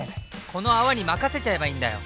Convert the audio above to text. この泡に任せちゃえばいいんだよ！